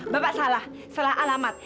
bapak salah salah alamat